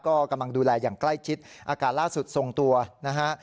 ก็กำลังดูแลอย่างใกล้ชิดอาการล่าสุดทรงตัวนะฮะ